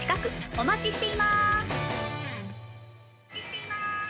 お待ちしています！